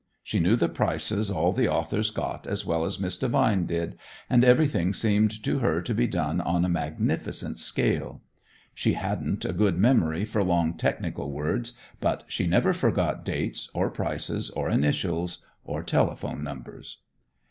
She knew the prices all the authors got as well as Miss Devine did, and everything seemed to her to be done on a magnificent scale. She hadn't a good memory for long technical words, but she never forgot dates or prices or initials or telephone numbers.